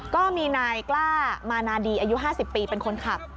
ก็มีนายกล้ามานาดีอายุ๕๐ปีเป็นคนขับ